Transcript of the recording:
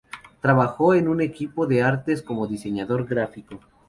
Trabajó en un equipo de artes como diseñador gráfico.